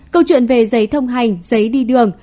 câu chuyện về giấy thông hành giấy đi đường